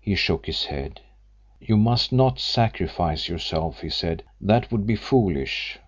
He shook his head. "You must not sacrifice yourself," he said. "That would be foolish."